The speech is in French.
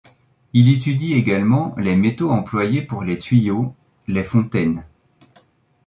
Il étudie également les métaux employés pour les tuyaux, les fontaines.